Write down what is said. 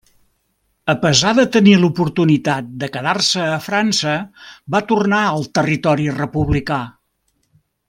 A pesar de tenir l'oportunitat de quedar-se a França, va tornar al territori republicà.